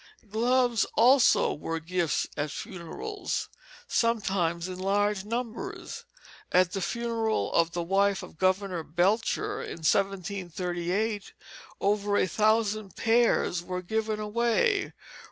Gloves also were gifts at funerals, sometimes in large numbers. At the funeral of the wife of Governor Belcher, in 1738, over a thousand pairs were given away.